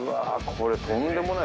これとんでもない。